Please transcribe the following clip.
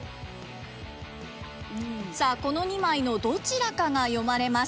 さあこの２枚のどちらかが読まれます。